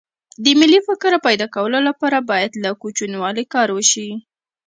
د ملي فکر راپیدا کولو لپاره باید له کوچنیوالي کار وشي